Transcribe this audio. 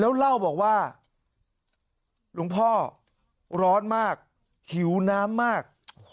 แล้วเล่าบอกว่าหลวงพ่อร้อนมากหิวน้ำมาก